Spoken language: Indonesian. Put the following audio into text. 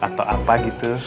atau apa gitu